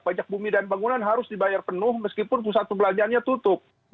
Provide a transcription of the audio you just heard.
pajak bumi dan bangunan harus dibayar penuh meskipun pusat perbelanjaannya tutup